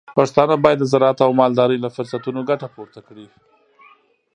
پښتانه بايد د زراعت او مالدارۍ له فرصتونو ګټه پورته کړي.